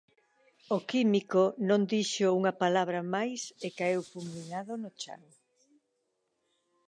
O químico non dixo unha palabra máis e caeu fulminado no chan.